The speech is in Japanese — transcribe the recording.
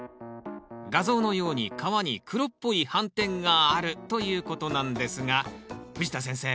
画像のように皮に黒っぽい斑点があるということなんですが藤田先生